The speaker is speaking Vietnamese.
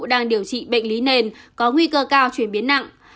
đang điều trị bệnh lý nền có nguy cơ cao chuyển biến nặng